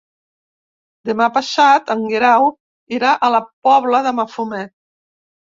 Demà passat en Guerau irà a la Pobla de Mafumet.